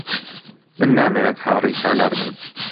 من نامەوێت هاوڕێی سالار بم.